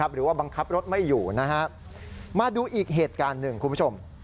หรือว่าบังคับรถไม่อยู่มาดูอีกเหตุการณ์หนึ่งคุณผู้ชม